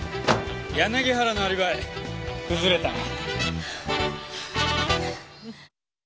柳原のアリバイ崩れたな。